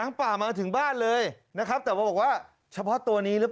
น้ำมาถึงบ้านเลยนะครับแต่มาบอกว่าเฉพาะตัวนี้นะครับ